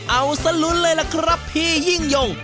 เอาสลุ้นเลยล่ะครับพี่ยิ่งยง